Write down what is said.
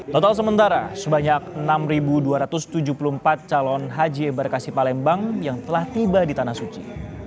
total sementara sebanyak enam dua ratus tujuh puluh empat calon haji embarkasi palembang yang telah tiba di tanah suci